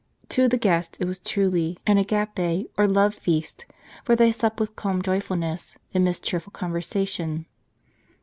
To the guests it was truly an agape, or love feast; for they supped with calm joyfulness amidst cheerful conversation.